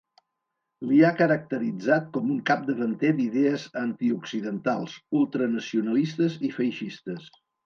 L'hi ha caracteritzat com un capdavanter d'idees antioccidentals, ultranacionalistes i feixistes.